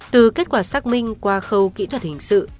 từ kết quả xác minh qua khâu kỹ thuật hình sự